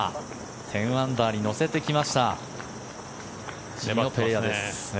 １０アンダーに乗せてきました。